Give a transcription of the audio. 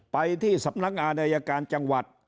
ไปที่สำนักงานอายการจังหวัด